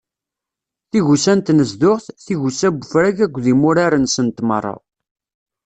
Tigusa n tnezduɣt, tigusa n ufrag akked imurar-nsent meṛṛa.